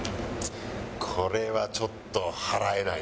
これはちょっと払えないな。